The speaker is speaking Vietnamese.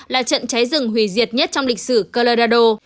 là trận cháy rừng hủy diệt nhất trong lịch sử callerado